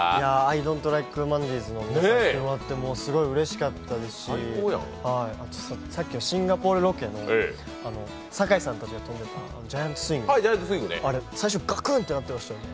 ＩＤｏｎ’ｔＬｉｋｅＭｏｎｄａｙｓ．の皆さんに会えてすごいうれしかったですしさっきのシンガポールロケも酒井さんたちが飛んでたジャイアントスイング、あれ最初ガクンってなってましたよね。